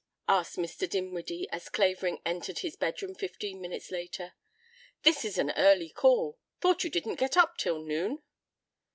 asked Mr. Dinwiddie, as Clavering entered his bedroom fifteen minutes later. "This is an early call. Thought you didn't get up till noon."